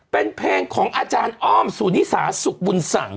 เป็นเพลงของอาจารย์อ้อมสุนิสาสุขบุญสัง